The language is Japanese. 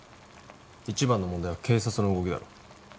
一番の問題は警察の動きだろ